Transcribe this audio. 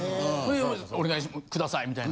お願いくださいみたいな。